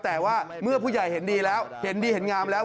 แต่ว่าเมื่อผู้ใหญ่เห็นดีแล้วเห็นดีเห็นงามแล้ว